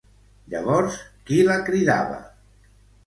Llavors qui la cridava?